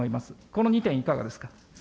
この２点、いかがですか。